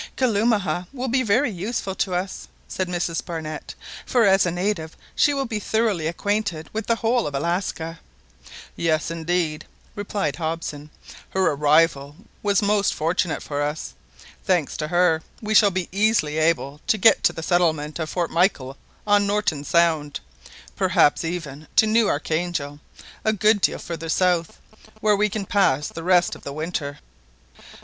"Kalumah will be very useful to us," said Mrs Barnett, "for as a native she will be thoroughly acquainted with the whole of Alaska." "Yes, indeed," replied Hobson, "her arrival was most fortunate for us. Thanks to her, we shall be easily able to get to the settlement of Fort Michael on Norton Sound, perhaps even to New Archangel, a good deal farther south, where we can pass the rest of the winter."